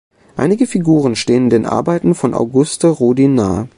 Einige Figuren stehen den Arbeiten von Auguste Rodin nahe.